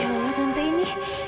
ya allah tante ini